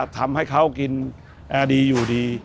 ทำให้เขากินดีอยู่ดี